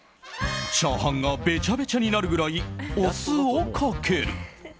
チャーハンがべちゃべちゃになるぐらいお酢をかける。